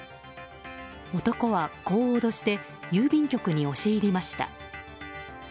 男はこう脅して郵便局に押し入りました。